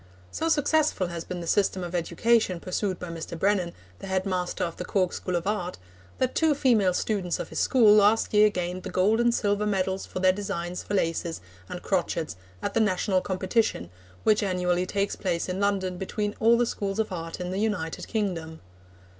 So successful has been the system of education pursued by Mr. Brennan, the head master of the Cork School of Art, that two female students of his school last year gained the gold and silver medals for their designs for laces and crochets at the national competition which annually takes place in London between all the Schools of Art in the United Kingdom.